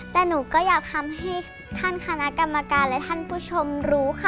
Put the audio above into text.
แต่หนูก็อยากทำให้ท่านคณะกรรมการและท่านผู้ชมรู้ค่ะ